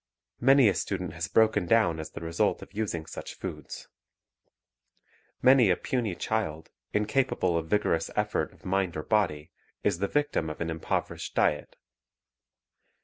Many a student has broken down as the result of using such foods. Many a puny child, incapable of vigorous effort of mind or body, is the victim of an impoverished diet.